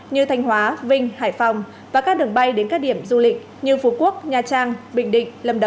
như thanh hóa vinh hải phòng và các đường bay đến các điểm du lịch như phú quốc nha trang bình định lâm đà nẵng